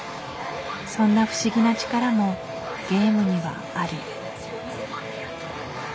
そんな不思議な力もゲームにはある。